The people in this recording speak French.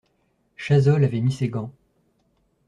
Chazolles avait mis ses gants.